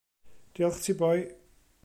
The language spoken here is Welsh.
Diolch ti boi.